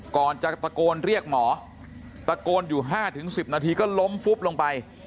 ก่อนจะตะโกนเรียกหมอตะโกนอยู่๕๑๐นาทีก็ล้มฟุบลงไป